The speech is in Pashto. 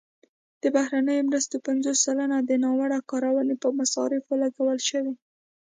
د بهرنیو مرستو پنځوس سلنه د ناوړه کارونې په مصارفو لګول شوي.